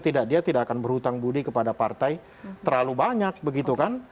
tidak dia tidak akan berhutang budi kepada partai terlalu banyak begitu kan